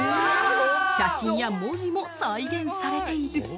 写真や文字も再現されている。